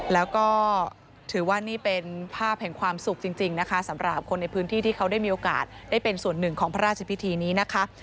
แล้วก็ถือว่านี่เป็นภาพแห่งความสุขจริงนะคะสำหรับคนในพื้นที่ที่เขาได้มีโอกาสได้เป็นส่วนหนึ่งของพระราชพิธีนี้นะคะ